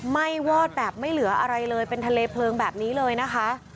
้วอดแบบไม่เหลืออะไรเลยเป็นทะเลเพลิงแบบนี้เลยนะคะ